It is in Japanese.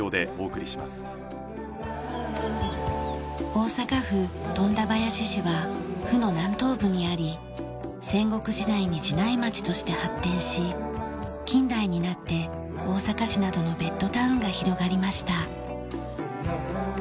大阪府富田林市は府の南東部にあり戦国時代に寺内町として発展し近代になって大阪市などのベッドタウンが広がりました。